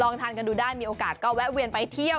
ทานกันดูได้มีโอกาสก็แวะเวียนไปเที่ยว